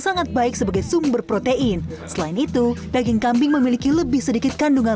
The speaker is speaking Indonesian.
sangat baik sebagai sumber protein selain itu daging kambing memiliki lebih sedikit kandungan